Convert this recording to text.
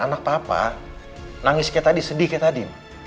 nangis seperti tadi sedih seperti tadi